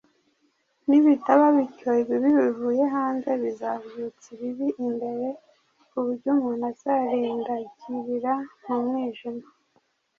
nibitaba bityo ibibi bivuye hanze bizabyutsa ibiri imbere ku buryo umuntu azarindagirira mu mwijima.